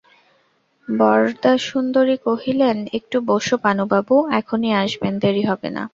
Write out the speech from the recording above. বরদাসুন্দরী কহিলেন, একটু বোসো, পানুবাবু এখনই আসবেন, দেরি হবে না।